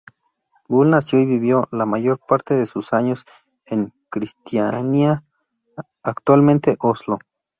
Bull nació y vivió la mayor parte de sus años en Kristiania, actualmente Oslo.